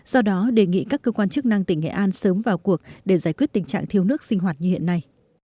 do đó đề nghị các cơ quan chức năng tỉnh nghệ an sớm vào cuộc để giải quyết tình trạng thiếu nước sinh hoạt như hiện nay